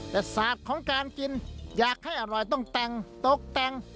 แต่ศาสตร์ของการกินอยากให้อร่อยต้องแต่งตกแต่ง